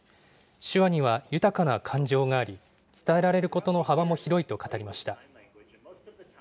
手話には豊かな感情があり、伝えられることの幅も広いと語りました。